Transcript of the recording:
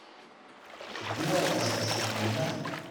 Ĉu tio estas sekvinda?